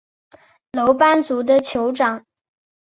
楼班族的酋长。